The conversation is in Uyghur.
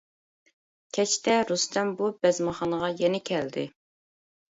كەچتە رۇستەم بۇ بەزمىخانىغا يەنە كەلدى.